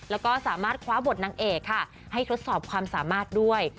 แล้วก็สามารถคว้าบทนางเอกค่ะให้ทดสอบความสามารถด้วย